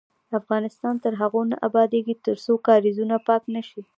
افغانستان تر هغو نه ابادیږي، ترڅو کاریزونه پاک نشي.